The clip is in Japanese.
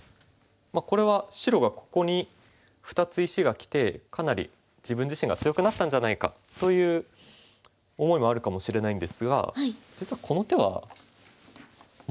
これは白がここに２つ石がきてかなり自分自身が強くなったんじゃないかという思いもあるかもしれないんですが実はこの手はもっと強いんです。